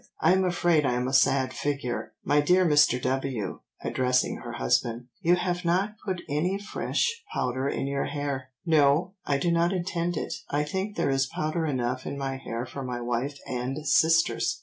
I am afraid I am a sad figure. My dear Mr. W. (addressing her husband) you have not put any fresh powder in your hair.' "'No, I do not intend it, I think there is powder enough in my hair for my wife and sisters.